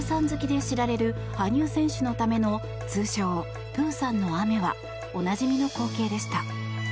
好きで知られる羽生選手のための通称・プーさんの雨はおなじみの光景でした。